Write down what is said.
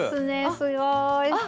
すごい！